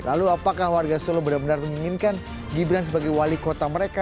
lalu apakah warga solo benar benar menginginkan gibran sebagai wali kota mereka